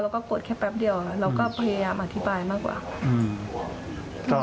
เราก็โกรธแค่แป๊บเดียวอืมเราก็พยายามอธิบายมากกว่าอืม